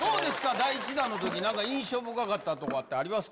第１弾のとき、なんか印象深かったとかありますか？